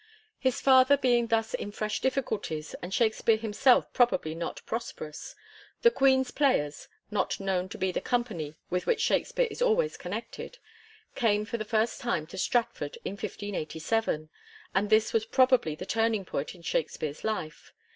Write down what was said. His father being thus in fresh difficulties, and Shakspere himself probably not prosperous, "The Queen*s Players "— ^not known to be the company with which Shakspere is always connected — came for the first time to Stratford, in 1587. And this was probably the turning point in Shakspere's life.